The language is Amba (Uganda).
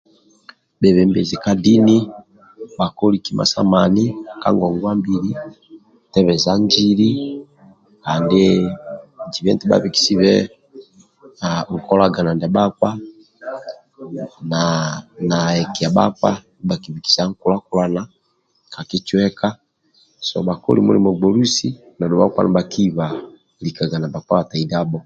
Bhebembezi ka dini bhakoli kima sa mani ka ngongwa mbili sa tebeja injili andi zibe eti bhabikisebe nkolagana ndia bhakpa na ekia bhakpa ndibha bhakibikisa nkulakulana ka kicweka so bhakoli mulimo gbolusi na dhuwa bhakpa nibhakiba likaga na bhakpa bhataidabho